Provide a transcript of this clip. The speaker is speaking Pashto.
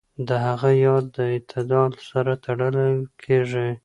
د هغه ياد د اعتدال سره تړل کېږي.